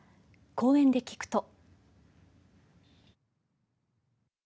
公園で聞くと。